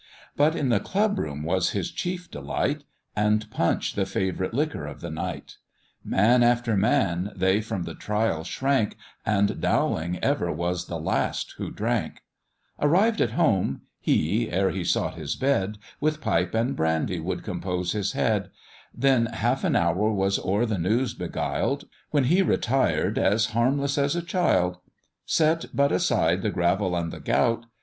But in the club room was his chief delight, And punch the favourite liquor of the night; Man after man they from the trial shrank, And Dowling ever was the last who drank: Arrived at home, he, ere he sought his bed, With pipe and brandy would compose his head, Then half an hour was o'er the news beguiled, When he retired as harmless as a child. Set but aside the gravel and the gout.